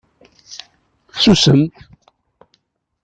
Susem!